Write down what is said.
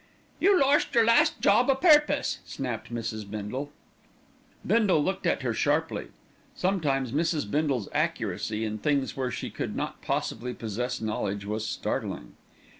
"You lorst your last job a purpose," snapped Mrs. Bindle. Bindle looked at her sharply. Sometimes Mrs. Bindle's accuracy in things where she could not possibly possess knowledge was startling.